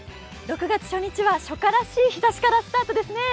６月初日は初夏らしい日ざしでスタートですね。